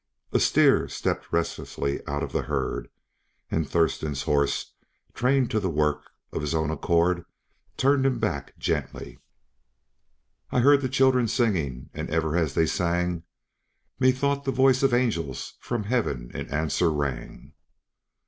A steer stepped restlessly out of the herd, and Thurston's horse, trained to the work, of his own accord turned him gently back. "I heard the children singing; and ever as they sang, Me thought the voice of angels from heaven in answer rang."